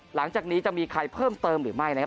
หลังจากนี้จะมีใครเพิ่มเติมหรือไม่นะครับ